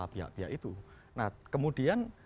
pihak pihak itu nah kemudian